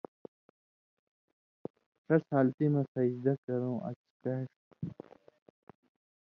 ݜس حالتی مہ سجدہ کرؤں اڅھکاݜ تھُو۔